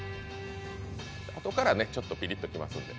あとからちょっとピリッときますので。